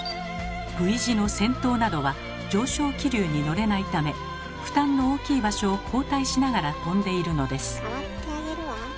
Ｖ字の先頭などは上昇気流に乗れないため負担の大きい場所を交代しながら飛んでいるのです。